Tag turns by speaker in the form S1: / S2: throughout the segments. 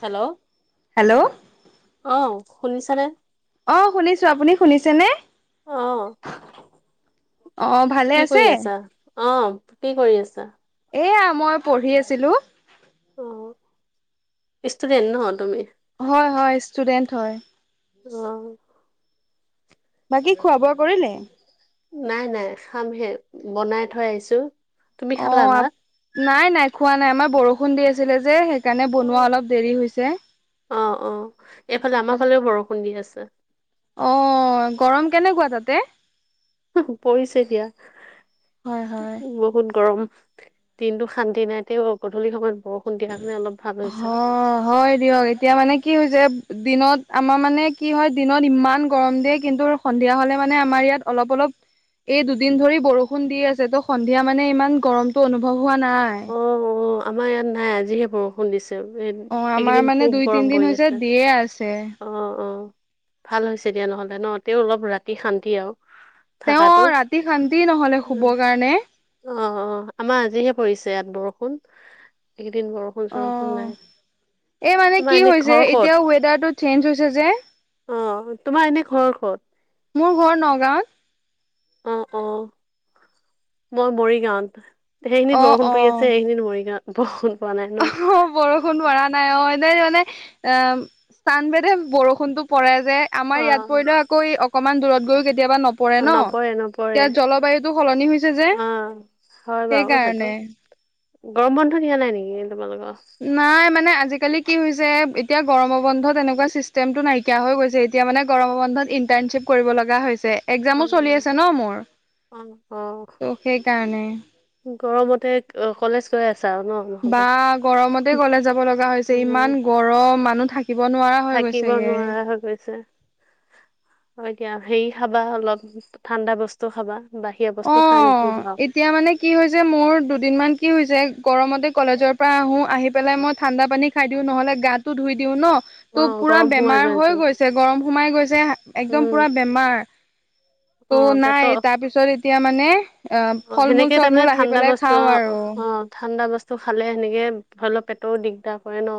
S1: Hello,
S2: hello
S1: অ' শুনিছানে?
S2: অ' শুনিছোঁ, আপুনি শুনিছেঁনে?
S1: অ
S2: অ', ভালে
S1: কি
S2: আছে?
S1: কৰি আছা অ', কি কৰি আছা?
S2: এয়া মই পঢ়ি আছিলোঁ।
S1: অ', ইষ্টোদেন ন তুমি?
S2: ষ্টুডেণ্ট হয়।
S1: ্
S2: বাকী খোৱা বোৱা কৰিলে।
S1: নাই নাই খামহে, বনাই থৈ আহিছোঁ।
S2: অ', নাই নাই খোৱা নাই, আমাৰ বৰষুণ দি আছিলে যে। সেইকাৰণে বনোৱা অলপ দেৰি হৈছে।
S1: অ' অ', এইফালে আমাৰ ফালেও বৰষুণ দি আছে
S2: অ', গৰম কেনেকুৱা তাতে।
S1: পৰিছে দিয়া,
S2: হয় হয়
S1: বহুত গৰম। দিনটো শান্তি নাই তে, গধূলি সময়ত। বৰষুণ দিয়াৰ কাৰণে অলপ ভাল হৈছে
S2: অ', হয় দিয়ক, এতিয়া মানে কি হৈছে। দিনত আমাৰ মানে কি হয়। দিনত ইমান গৰম দিয়ে কিন্তু সন্ধিয়া হ'লে মানে আমাৰ ইয়াত অলপ অলপ। এই দুদিন ধৰি বৰষুণ দি আছে, তো সন্ধিয়া মানে ইমান গৰমতটো অনুভৱ হোৱা নাই।
S1: অ অ আমাৰ ইয়াত নাই আজিহে বৰষুণ দিছে।
S2: অ আমাৰ
S1: এইকেইদিন
S2: মানে
S1: খুব
S2: দুই
S1: গৰম
S2: তিনদিন
S1: পৰি
S2: হৈছে
S1: আছে
S2: দিয়ে আছে
S1: অ' অ'। ভাল হৈছে দিয়া নহ'লে ন, তেওঁ অলপ ৰাতি শান্তি আৰু।
S2: তেওঁ
S1: থাকাটো
S2: ৰাতি শান্তি নহ'লে শুব কাৰণে।
S1: অ' অ' আমাৰ আজিহে পৰিছে ইয়াত বৰষুণ। এইকেইদিন বৰষুণ
S2: অ
S1: চৰষুণ নাই।
S2: এই মানে
S1: তোমাৰ
S2: কি
S1: এনে
S2: হৈছে,
S1: ঘৰ ক'ত
S2: এতিয়া ৱেডাৰটো চেঞ্জ হৈছে যে।
S1: অ' তোমাৰ এনে ঘৰ ক'ত?
S2: মোৰ ঘৰ নগাঁৱত।
S1: অ' অ', মই মৰিগাঁৱত। সেইখিনিত
S2: অ
S1: বৰষুণ পৰি
S2: অ
S1: আছে, এইখিনিত মৰিগাঁৱত বৰষুণ পোৱা নাই ন
S2: অ', বৰষুণ মৰা নাই অ'। মানে অ', চান বেদে বৰষুণতটো পৰে যে আমাৰ ইয়াত পৰিলে আকৌ। অকমান দূৰত গৈও কেতিয়াবা নপৰে
S1: অ
S2: ন
S1: নপৰে
S2: এতিয়া জলবায়ুটো সলনি হৈছে যে।
S1: অ হয় বাৰু সেইতো,
S2: সেইকাৰণে
S1: গৰম বন্ধ দিয়া নাই নেকি? তোমালোকৰ
S2: নাই মানে আজিকালি কি হৈছে এতিয়া গৰম বন্ধত এনেকুৱা চিষ্টেমটো নাইকিয়া হৈ গৈছে, এতিয়া মানে গৰম বন্ধত ইটাৰ্ণশ্বিপ কৰিব লগা হৈছে।
S1: অ
S2: একজামো চলি আছে ন মোৰ,
S1: অ অ
S2: ত' সেইকাৰণে
S1: গৰমতে কলেজ গৈ আছে
S2: বা গৰমতে কলেজ যাব লগা হৈছে,
S1: উম
S2: ইমান গৰম মানুহ থাকিব নোৱাৰা হৈ
S1: থাকিব
S2: গৈছেগে
S1: নোৱাৰা হৈ গৈছে। এতিয়া হেৰি খাবা অলপ ঠাণ্ডা বস্তু খাবা। বাহিৰা বস্তু খাই
S2: অ',
S1: নুফুৰিবা আৰু।
S2: এতিয়া মানে কি হৈছে মোৰ দুদিন মান কি হৈছে? গৰমতে কলেজৰ পৰা আহোঁ, আহি পেলাই মই ঠাণ্ডা পানী খাই দিওঁ নহ'লে গাটো ধুই দিওঁ ন। ত'
S1: অ',
S2: পুৰা
S1: গৰম সোমাই যোৱা
S2: বেমাৰ হৈ
S1: নিচিনা
S2: গৈছে, গৰম সোমাই গৈছে একদম
S1: উম,
S2: পুৰা বেমাৰ। ত'
S1: অ',
S2: নাই
S1: পেটৰ
S2: তাৰপিছত এতিয়া মানে
S1: অ'
S2: ফল মূল
S1: সেনেকে
S2: চল
S1: তাৰমানে
S2: মূল আহি
S1: ঠাণ্ডা
S2: পেলাই
S1: বস্তু
S2: খাওঁ
S1: অ',
S2: আৰু
S1: অ' ঠাণ্ডা বস্তু খালে সেনেকে ধৰি লও পেটৰো দিগদাৰ কৰে ন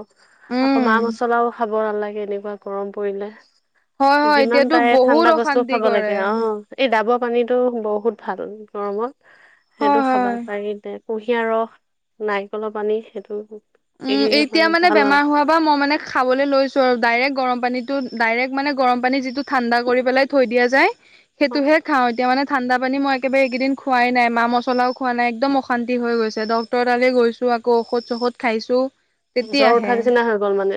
S1: আকৌ
S2: উম,
S1: মা মছলাও খাব। ব নালাগে এনেকুৱা গৰম পৰিলে।
S2: হয়, হয়
S1: যিমান
S2: এতিয়াতো
S1: পাৰে
S2: বহুত
S1: ঠাণ্ডা বস্তু
S2: অশান্তি
S1: খাব
S2: কৰে
S1: লাগে অ', এই দাব পানীটো বহুত ভাল গৰমত
S2: হয়,
S1: সেইটো খাব
S2: হয়।
S1: পাৰি তে কুঁহিয়াৰ ৰস, নাৰিকলৰ পানী সেইটো
S2: উম
S1: এইকেইদিনৰ
S2: এতিয়া
S1: কাৰণে
S2: মানে
S1: ভাল
S2: বেমাৰ
S1: আৰু।
S2: হোৱা পা মই মানে খাবলৈ লৈছো আৰু ডাইৰেক্ট গৰম পানীত ডাইৰেক্ট মানে গৰম পানী যিটো ঠাণ্ডা কৰি পেলাই থৈ দিয়া যায়, সেইটো খাওঁ এতিয়া মানে ঠাণ্ডা পানী মই একেবাৰে এইকেইদিন খোৱাই নাই, মা মছলাও খোৱা নাই একদম অশান্তি হৈ গৈছে ডক্তৰ তালে গৈছো। আকৌ ঔষধ, চৌষধ খাইছো।
S1: জ্বৰ উঠা
S2: তেতিয়াহে
S1: নিচিনা হৈ গ'ল মানে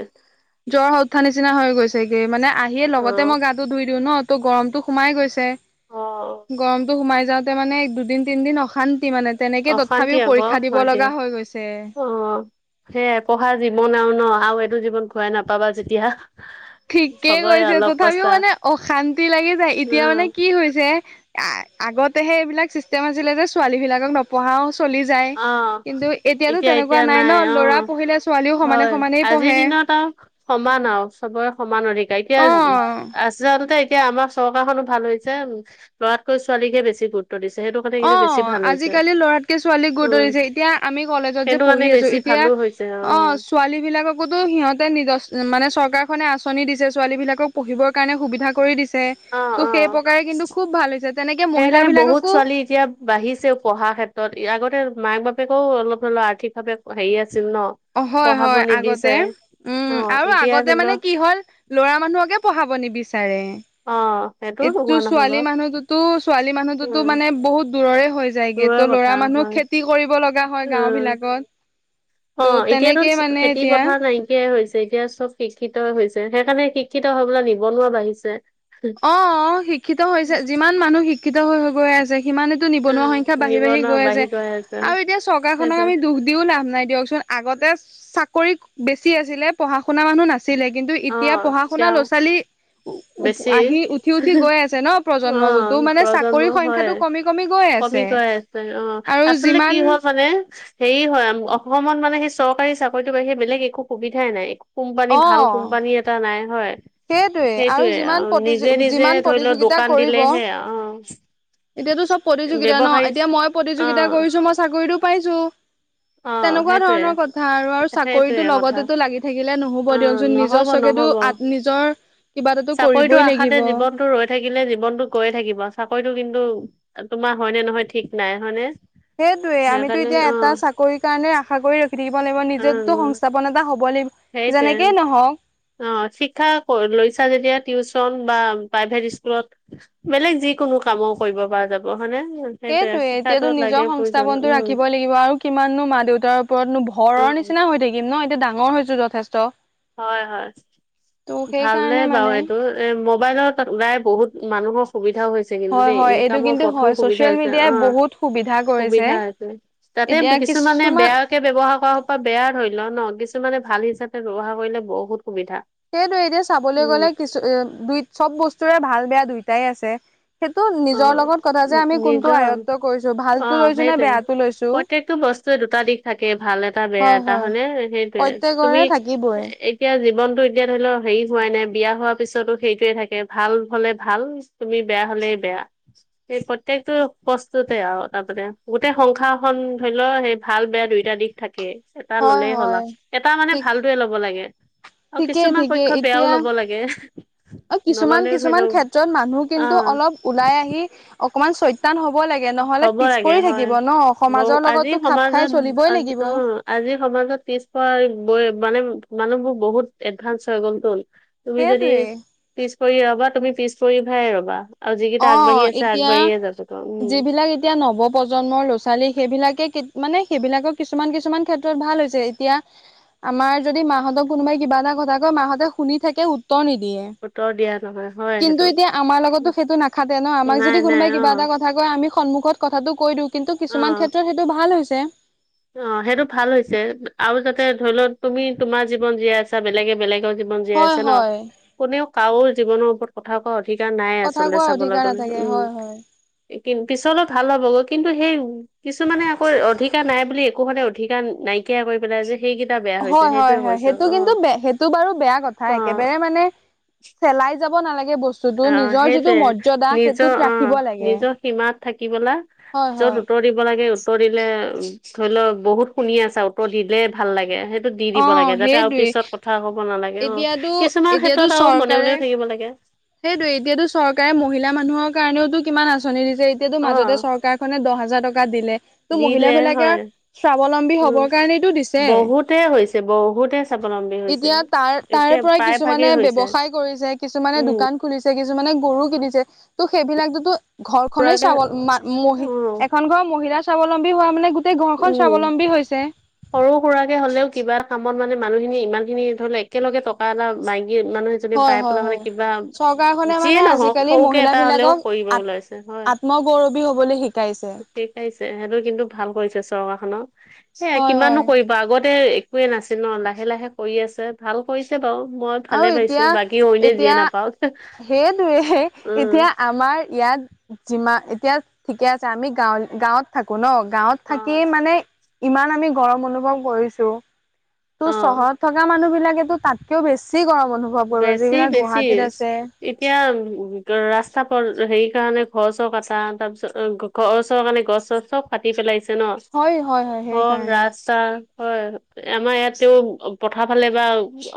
S2: জ্বৰ উঠা নিচিনা হয় গৈছেগে মানে আহিয়ে লগতে
S1: অ',
S2: মই গাটো ধুই দিওঁ ন ত' গৰমটো সোমাই গৈছে।
S1: অ',
S2: গৰমটো সোমাই যাওঁতে মানে দুদিন তিনদিন অশান্ত তি মানে তেনেকে
S1: অশান্তি
S2: তথাপিও
S1: আকৌ
S2: পৰীক্ষা দিব লগা হৈ গৈছে।
S1: সেয়ে পঢ়া জীৱন আৰু ন আৰু এইটো জীৱন ঘূৰাই নাপাবা যেতিয়া
S2: ঠিকেই
S1: হ'বই
S2: কৈছে
S1: অলপ
S2: তথাপিও
S1: পস্তা
S2: মানে অশান্তি লাগি যায় এতিয়া
S1: উম,
S2: মানে কি হৈছে আগতেহে এইবিলাক চিষ্টেম আছিলে যে ছোৱালী বিলাকক নপঢ়াও চলি যায়
S1: অ',
S2: কিন্তু এতিয়াতো
S1: এতিয়া
S2: তেনেকুৱা
S1: এতিয়া
S2: নাই ন ল'ৰা
S1: অ',
S2: পঢ়িলে ছোৱালীও সমানে
S1: হয়
S2: সমানেই
S1: আজিৰ
S2: পঢ়ে।
S1: দিনত সমান আৰু চবৰে সমান অধিকাৰ এতিয়া
S2: অ
S1: আ চলতে এতিয়া আমাৰ চৰকাৰখনো ভাল হৈছে ল'ৰাতকৈ ছোৱালীকহে বেছি গু
S2: অ' আজিকালি ল'ৰাতকে ছোৱালী
S1: উম,
S2: এতিয়া আমি কলেজত যে
S1: সেইটো কাৰণে
S2: পঢ়ি আছো
S1: বেছি
S2: এতিয়া
S1: ভালো হৈছে
S2: অ' ছোৱালী বিলাককো সিহঁতে মানে চৰকাৰখনে আঁচনি দিছে ছোৱালী বিলাকক পঢ়িবৰ কাৰণে সুবিধা কৰি দিছে।
S1: অ',
S2: ত'
S1: অ'।
S2: সেই প্ৰকাৰে কিন্তু খুব ভাল হৈছে তেনেকে মহিলা
S1: সেইকাৰণে বহুত
S2: বিলাককো
S1: ছোৱালী এতিয়া বাঢ়িছেও পঢ়া ক্ষেত্ৰত আগতে মাক বাপেকেও অলপ ধৰিলেও আৰ্থিকভাৱে হেৰি আছে
S2: হয়, হয় আগতে
S1: অ
S2: উম আৰু
S1: এতিয়া
S2: আগতে
S1: ধৰি
S2: মানে
S1: লও
S2: কি হ'ল ল'ৰা মানুহকে পঢ়াব নিবিচাৰ চাৰে
S1: অ সেইটো
S2: এইটো
S1: নোহোৱা নহয়
S2: ছোৱালী
S1: বাৰু
S2: মানুহতোতো ছোৱালী মানুহতোতো
S1: উম
S2: মানে বহুত দূৰৰে হৈ যায়গে
S1: দূৰৰে
S2: ত'
S1: কথা
S2: ল'ৰা মানুহ
S1: হয়
S2: খেতি কৰিব লগা হয় গাঁও
S1: উম
S2: বিলাকত ত'
S1: অ' এতিয়াতো
S2: তেনেকেই মানে
S1: খেতি
S2: এতিয়া
S1: পথাৰ নাইকিয়াই হৈছে। যেতিয়া চব শিক্ষিত হৈছে সেইকাৰণে শিক্ষিত হৈ বলৈ নিবনুৱা বাঢ়িছে।
S2: অ', অ' শিক্ষিত হৈছে যিমান মানুহ শিক্ষিত হৈ হৈ গৈ আছে সিমানেতো নিবনুৱা সংখ্যা
S1: উম
S2: বাঢ়ি বাঢ়ি
S1: নিবনুৱা
S2: গৈ আছে।
S1: আছে
S2: আৰু এতিয়া চৰকাৰখনক
S1: সেইটোৱে
S2: আমি দুখ দিও লাভ নাই দিয়কচোন আগতে চাকৰি বেছি আছিলে পঢ়া শুনা মানুহ নাছিল ছিলে কিন্তু এতিয়া পঢ়া শুনা ল'ৰা ছোৱালী
S1: অ' বেছি
S2: আহি উঠি উঠি গৈ আছে ন প্ৰজন্মবোৰতো মানে
S1: প্ৰজন্ম
S2: চাকৰিৰ
S1: হয়
S2: সংখ্যাটো কমি কমি গৈ
S1: কমি
S2: আছে
S1: গৈ আছে। অ'
S2: আৰু
S1: আচলতে কি
S2: যিমান
S1: হয় মানে হেৰি হয় অসমত মানে সেই চৰকাৰী চাকৰিতো বাহিৰে বেলেগ একো সুবিধাই নাই, একো কোম্পানী
S2: অ
S1: ভাল কোম্পানী এটা নাই হয়।
S2: সেইটোৱে
S1: সেইটোয়ে
S2: যিমান
S1: আৰু
S2: প্ৰতিযো
S1: নিজে নিজে
S2: যিমান
S1: ধৰি লও
S2: প্ৰতিযোগিতা
S1: দোকান
S2: কৰিব
S1: দিলেহে অ'।
S2: এতিয়াতো চব প্ৰতিযোগিতা ন,
S1: ব্যৱসায়ী
S2: এতিয়া মই
S1: অ
S2: প্ৰতিযোগিতা কৰিছো মই চাকৰিটো পাইছো।
S1: অ
S2: তেনেকুৱা
S1: সেইটোৱে
S2: ধৰণৰ কথা আৰু আৰু চাকৰিতো
S1: সেইটোৱে কথা
S2: লগতেতো লাগি থাকিলে নহব
S1: অ
S2: দিয়ক যোন
S1: নহব
S2: নিজস্বকে
S1: নহব
S2: নিজৰ কিবা এটাতো
S1: চাকৰিটো
S2: কৰিবই লাগিব
S1: আশাতে জীৱনটো ৰৈ থাকিলে জীৱনটো গৈয়ে থাকিব চাকৰিতটো কিন্তু তোমাৰ হয়নে নহয় ঠিক নাই হয়নে।
S2: সেইটোয়ে আমিতো
S1: সেইকাৰণে
S2: এতিয়া
S1: অ
S2: এটা চাকৰি কাৰণে আশা কৰি ৰখি থাকিব লাগিব নিজো সংস্থাপন এটা হ'ব লাগিব
S1: সেইটোয়ে
S2: যেনেকেই নহওক
S1: অ', শিখা লৈছা যেতিয়া টিউচ বা প্ৰাইভেট স্কুলত বেলেগ যি কোনো কামো কৰিব পৰা যাব। হয়নে
S2: সেইটোয়ে
S1: শিক্ষাটো
S2: এতিয়াতো
S1: লাগে
S2: নিজৰ
S1: প্ৰয়োজন
S2: সংস্থাপনতটো
S1: উম
S2: ৰাখিব লাগিব আৰু কিমাননো মা দেউতাৰ ওপৰতনো ভৰৰ নিচিনা হৈ থাকিম ন, এতিয়া ডাঙৰ হৈছো যথেষ্ট।
S1: হয়, হয়
S2: ত'
S1: ভাল
S2: সেইকাৰণে
S1: বাৰু
S2: মানে
S1: এইটো এ মোবাইল ত ওলাই বহুত মানুহৰ সুবিধা সুবিধাও হৈছে কিন্তু
S2: হয়
S1: দেই
S2: হয় এইটো
S1: ইনকামৰ
S2: কিন্তু
S1: পথো
S2: হয়
S1: সুবিধা
S2: ছচিয়েল
S1: হৈছে
S2: মিডিয়াই
S1: অ',
S2: বহুত সুবিধা কৰিছে
S1: সুবিধা হৈছে। তাতে
S2: এতিয়া
S1: কিছুমানে
S2: কিছুমান
S1: বেয়াকে ব্যৱহাৰ কৰা হপা বেয়া ধৰি ল ন কিছুমানে ভাল হিচাপে ব্যৱহাৰ কৰিলে বহুত সুবিধা
S2: সেইটোৱ এতিয়া চাবলৈ
S1: উম
S2: গ'লে কিছু এ দুই চব বস্তুৰে ভাল বেয়া দুইটাই আছে। সেইটো
S1: অ
S2: নিজৰ লগত কথা যে আমি কোনটো
S1: নিজৰ
S2: আয়ত্ব কৰিছো
S1: অ
S2: ভালতো লৈছো নে
S1: সেইটোৱে
S2: বেয়াটো লৈছোঁ।
S1: প্ৰত্যেকটো দুটা দিশ থাকে ভাল এটা বেয়া এটা হয় নে সেইটোয়ে তুমি
S2: প্ৰত্যেকৰে থাকিবই
S1: এতিয়া জীৱন এতিয়া ধৰি লও হেৰি হোৱাই নাই বিয়া হোৱা পিছতো সেইটোয়ে থাকে ভাল হলে ভাল তুমি বেয়া হ'লে বেয়া সেই প্ৰত্যেকটো বস্তুতে আৰু তাৰমানানে গোটেই সংসাৰখনন ধৰি লও সেই ভাল বেয়া দুইটা দিশ থাকে এটা
S2: হয়
S1: ললেই হ'ল
S2: হয়
S1: আৰু এটা মানে
S2: ঠিক
S1: ভালটোয়ে লব লাগে। অ',
S2: ঠিকেই
S1: কিছুমান
S2: ঠিকেই
S1: পক্ষত বেয়াও
S2: এতিয়া
S1: ল'ব লাগে।
S2: অ', কিছুমান
S1: নললেও ধৰি
S2: কিছুমান
S1: লওক
S2: ক্ষেত্ৰত মানুহ কিন্তু
S1: অ
S2: অলপ ওলাই আহি অকমান চৈতান হ'ব লাগে নহলে
S1: হ'ব
S2: পিছ
S1: লাগে
S2: পৰি
S1: হয়।
S2: থাকিব ন
S1: বৌ
S2: সমাজৰ
S1: আজি
S2: লগতো খাপ খাই চলিবই লাগিব।
S1: মাজত পিছপ ব মানে মানুহ মোৰ বহুত এডভান্স হৈ গ'ল তুল তুমি যদি
S2: সেইটোৱে
S1: কৰি ৰবা তুমি পিছ পৰি ভাই ৰবা আৰু যিকেইটা
S2: অ
S1: আগবাঢ়ি আছে
S2: এতিয়া
S1: আগবাঢ়িয়ে যা
S2: যিবিলাক এতিয়া নৱ প্ৰজন্মৰ ল'ৰা ছোৱালী সেইবিলাকে মানে সেইবিলাকক কিছুমান কিছুমান ক্ষেত্ৰত ভাল হৈছে এতিয়া আমাৰ যদি মাহঁতক কোনোবাই কিবা এটা কথা কয় মাহঁতে শুনি থাকে নিদিয়ে
S1: উত্তৰ দিয়া নহয় হয়
S2: কিন্তু
S1: সেইটো
S2: এতিয়া আমাৰ লগতো সেইটো নাখাতে ন আমাক
S1: নাই
S2: যদি
S1: নাই
S2: কোনোবাই
S1: অ
S2: কিবা এটা কথা কয় আমি সন্মুখত কথাটো কৈ দিওঁ কিন্তু
S1: অ
S2: কিছুমান ক্ষেত্ৰত সেইটো ভাল হৈছে। [unintelligible]
S1: অ', সেইটো ভাল হৈছে আৰু যাতে ধৰি লও তুমি তোমাৰ জীৱন জীয়াই আছা বেলেগে বেলেগত জীৱন জীয়াই
S2: হয়
S1: আছে ন
S2: হয়
S1: কোনেও কাৰো জীৱনৰ ওপৰত কথা কোৱা ধিকাৰ নাই
S2: কথা
S1: আচলতে
S2: কোৱাৰ
S1: চাবলৈ
S2: অধিকাৰ
S1: গ'লে
S2: নাথাকে
S1: উম।
S2: হয় হয়
S1: কি পিছলৈ ভাল হ'ব গ কিন্তু সেই কিছু মানে আকৌ অধিকাৰ নাই বুলি একো মানে অধিকাৰ নাইকিয়া কৰি পেলাই যে সেইকেইটা বেয়া হৈছে
S2: হয়, হয়
S1: সেইটোয়ে কৈছো
S2: সেইটো
S1: অ
S2: কিন্তু সেইটো বাৰু বেয়া কথা
S1: অ
S2: একেবাৰে মানে চেলাই যাব নালাগে। বস্তুটো
S1: অ',
S2: নিজৰ যিটো
S1: সেইটোৱে
S2: মৰ্যদা
S1: নিজৰ
S2: সেইটোত ৰাখিব
S1: অ',
S2: লাগে
S1: নিজৰ সীমাত থাকিবলৈা
S2: হয়
S1: য'ত
S2: হয়
S1: উত্তৰ দিব লাগে উত্তৰ দিলে ধৰি লওক বহুত শুনি আছা উত্তৰ দিলে ভাল লাগে সেই দি
S2: অ
S1: দিব লাগে যাতে আৰু
S2: সেইটোৱে
S1: পিছত কথা হ'ব নালাগে অ',
S2: এতিয়াতো
S1: কিছুমান ক্ষেত্ৰত আৰু মনে মনেও থাকিব লাগে।
S2: সেইটো এতিয়াতো চৰকাৰে মহিলা মানুহৰ কাৰণেওতো কিমান আঁচনি দি যে এতিয়াতো
S1: অ
S2: মাজতে চৰকাৰখনে দহ হাজাৰ টকা দিলে। ত মহিলা
S1: দিলে
S2: বিলাকে
S1: হয়
S2: স্বাৱলম্বী
S1: উম
S2: হ'বৰ কাৰণটো দিছে।
S1: বহুতে হৈছে বহুতে স্বাৱলম্বী হৈছে।
S2: এতিয়া তাৰ তাৰ
S1: একে
S2: পৰাই
S1: প্ৰায়
S2: কিছুমানে
S1: ভাগেই হৈছে
S2: ব্যৱসায় কৰিছে কিছুমানে
S1: উম
S2: দোকান খুলিছে কিছুমানে গৰু কিনিছে ত' সেইবিলাক যো ঘৰখনেই
S1: সুৰাকে
S2: স্বাৱল মহ
S1: অ
S2: এখন ঘৰত মহিলা স্বাৱলম্বী হোৱা মানে গোটেই ঘৰখন
S1: উম,
S2: স্বাৱলম্বী হৈছে
S1: সৰু সুৰাকৰাকে হ'লেও কিবা কাম মানে মানুহখিনি ইমান খিনি ধৰি ল একেলগে টকা এটা বাইং মানুহ এজনী
S2: হয়
S1: পাই
S2: হয়
S1: পেলাই মানে
S2: হয়
S1: কিবা
S2: চৰকাৰখনে
S1: যিয়ে
S2: মানে
S1: নহওক
S2: আজিকালি
S1: সৰুকে
S2: মহিলা
S1: এটা হলেও
S2: বিলাকক
S1: কৰিব
S2: আত
S1: ওলাইছে হয়
S2: আত্মগৌৰৱী হবলৈ শিকাইছে।
S1: শিকাইছে সেইটো কিন্তু ভাল কৰিছে। চৰকাৰ খনৰ এ
S2: হয়
S1: কিমানো
S2: হয়।
S1: কৰিব আগতে একোৱে নাছিল ন লাহে লাহে কৰি আছে ভাল কৰিছে বাৰু। মই
S2: আৰু
S1: ভালে পাইছো
S2: এতিয়া,
S1: বাকী অইনে যিয়ে
S2: এতিয়া
S1: নাপাওক
S2: সেইটোৱে
S1: উম
S2: এতিয়া আমাৰ ইয়াত যিমা এতিয়া ঠিকে আছে আমি গাওঁ-গাঁৱত থাকো নহ গাঁৱত
S1: অ
S2: থাকি মানে। ইমান আমি গৰম অনুভৱ কৰিছোঁ ত'
S1: অ
S2: চহৰত থকা মানুহ বিলাকেতো তাতকেও বেছি। কি গৰম অনুভৱ কৰিব
S1: বেছি
S2: যিবিলাক
S1: বেছি।
S2: গুৱাহাটীত আছে।
S1: এতিয়া [unintelligible] ৰাস্তা প হেৰি কাৰণে ঘৰ চৰ কচা তাৰ পিছত ঘৰ চৰৰ কাৰণে গছ চছ চব কাটি পেলাই [unintelligible]
S2: হয় হয় হয়
S1: ঘৰ
S2: সেইকাৰণে
S1: ৰাস্তা। হয় আমাৰ ইয়াতেও পথাৰৰ ফালে বা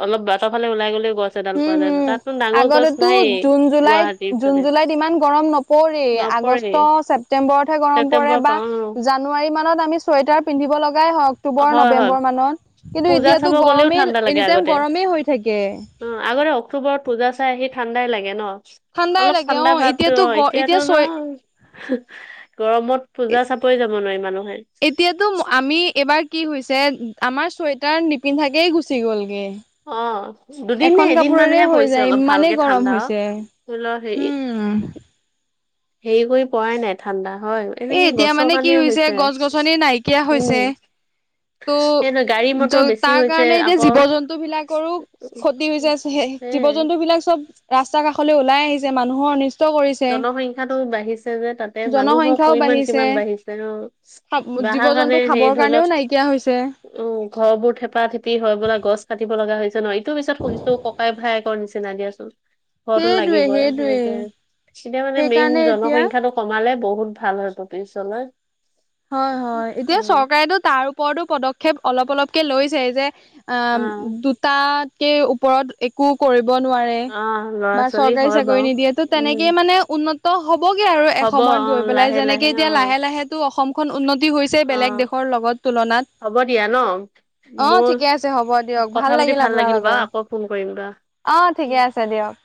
S1: অলপ বাটৰ ফালে ওলাই গ'লেও। গছ এডাল
S2: হুম
S1: পোৱা যায়
S2: হুম
S1: তাততো ডাঙৰ গছ
S2: আগতেতো
S1: নাইয়ে
S2: জুন জুলাইত,
S1: গুৱাহাটীৰ
S2: জুন
S1: ফালে
S2: জুলাইত ইমান গৰম নপৰে।
S1: নপৰেই
S2: আগষ্ট ছেপ্তেম্বৰত হে গৰম পৰে
S1: ছেপ্তেম্বৰ
S2: বা
S1: পা
S2: জানুৱাৰী মানত আমি চুৱেটাৰ পিন্ধিব লগ গাই হয়
S1: অ
S2: অক্টোবৰ
S1: হয় হয়
S2: নৱেম্বৰ মানত কিন্তু
S1: পূজা চাব
S2: এতিয়াতো
S1: গ'লেও ঠাণ্ডা
S2: গৰমেই
S1: লাগে
S2: এনি টাইম
S1: আগতে
S2: গৰমেই হৈ থাকে।
S1: অ আগতে অক্টোবোৰত পূজা চাই আহি ঠাণ্ডাই লাগে নহ।
S2: ঠাণ্ডাই
S1: অলপ
S2: লাগে অ
S1: ঠাণ্ডা ভাৱতো
S2: এতিয়াতো
S1: অ
S2: গ এতিয়া
S1: এতিয়াতো
S2: চয়
S1: [unintelligible] গৰমত পূজা চাৱই যাব নোৱাৰি মানুহে।
S2: এতিয়াতো আমি এইবাৰ কি হৈছে আমাৰ চুৱেটাৰ নিপিন্ধাকেই গুচি গ'লগে।
S1: অ দুদিন নে
S2: এখন
S1: এদিন
S2: কাপোৰেৰে
S1: মানহে
S2: হৈ
S1: পৰিছে
S2: যায়
S1: অলপ
S2: ইমানেই
S1: ভালকে
S2: গৰম
S1: ঠাণ্ডা।
S2: হৈছে
S1: ধৰি ল হেৰি
S2: উম
S1: হেৰি কৰি পোৱাই নাই ঠাণ্ডা। হয়
S2: এ
S1: এনেকে
S2: এতিয়া
S1: গছৰ
S2: মানে কি
S1: কাৰণে
S2: হৈছে গছ-গছনি নাইকিয়া হৈছে।
S1: উম সেইটো গাড়ী মটৰ
S2: ত'
S1: বেছি
S2: তাৰ
S1: হৈছে
S2: কাৰণে এতিয়া
S1: আকৌ
S2: জীৱ জন্তু বিলাকৰো ক্ষতি হৈ যাই আছে।
S1: এ
S2: [unintelligible] জীৱ জন্তু বিলাক চব ৰাস্তা কাষলৈ ওলাই আহিছে মানুহৰ নি
S1: জনসংখ্যাটো বাঢ়িছে যে তাতে মানুহক।
S2: জনসংখ্যাও
S1: পৰিমান
S2: বাঢ়িছে
S1: কিমান বাঢ়িছে অ
S2: জীৱ
S1: বাঢ়াৰ
S2: জন্তু
S1: কাৰণে হে
S2: খাবৰ
S1: ধৰি
S2: কাৰণেও
S1: লওঁক।
S2: নাইকিয়া হৈছে
S1: উম ঘৰ বোৰ থেপা থেপি হয় বোলা গছ কাটি বলগীয়া হৈ যায় নহ এইটো পিছত [unintelligible] ককাই ভাইকৰ নিচিনা দিয়াচোন। ঘৰটো
S2: সেইটোৱে
S1: লাগিবই।
S2: সেইটোৱে
S1: [unintelligible] এতিয়া মানে মেইন
S2: সেইকাৰণে এতিয়া
S1: জনসংখ্যাটো কমালে বহুত ভাল হ'ব পিছলৈ।
S2: হয় হয় এতিয়া
S1: উম,
S2: চৰকাৰেতো তাৰ ওপৰতো পদক্ষেপ অলপ অলপকে লৈছে যে। অ দুটাতকে ওপৰত একো কৰি ব নোৱাৰে
S1: অ', ল'ৰা
S2: বা
S1: ছোৱালী হয়
S2: চৰকাৰি
S1: বাৰু।
S2: নিদিয়ে
S1: উম,
S2: তেনেক মানে উন্ন ত হ'বগে আৰু
S1: হ'ব
S2: এসময়ত
S1: অ',
S2: গৈ পেলাই
S1: লাহে
S2: যেনেকে এতিয়া
S1: অ',
S2: লাহে লাহেতো অসমখন উন্নত তি হৈছে বেলেগ
S1: অ',
S2: দেশৰ লগত তুলনাত।
S1: হ'ব দিয়া নহ
S2: অ
S1: মোৰ
S2: ঠিকে আছে হ'ব দিয়ক
S1: কথা পাতি ভাল
S2: আপোনাৰ
S1: লাগিল বা
S2: লগত
S1: আকৌ ফোন কৰিম বা।
S2: অ ঠিকে আছে দিয়ক।